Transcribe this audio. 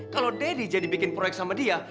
kalau deddy jadi bikin proyek sama dia